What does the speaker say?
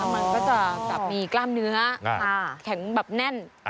มันก็จะมีกล้ามเนื้อแข็งแบบแน่น